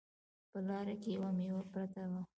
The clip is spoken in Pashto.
په لاره کې یوه میوه پرته وه